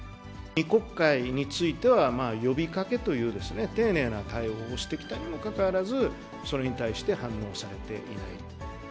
２国会については、呼びかけという丁寧な対応をしてきたにもかかわらず、それに対して反応されていない。